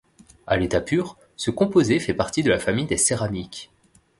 À l'état pur, ce composé fait partie de la famille des céramiques.